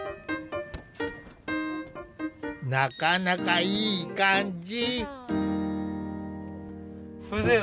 なかなかいい感じ。